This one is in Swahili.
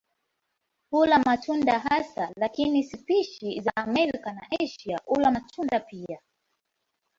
Hula wadudu hasa lakini spishi za Amerika na Asia hula matunda pia.